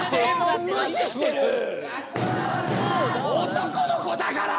男の子だから！